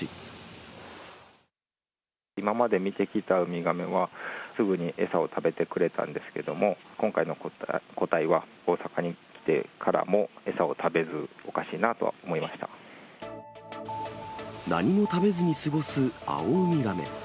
今まで見てきたウミガメは、すぐに餌を食べてくれたんですけれども、今回の個体は大阪に来てからも餌を食べず、おかしいなとは思いま何も食べずに過ごすアオウミガメ。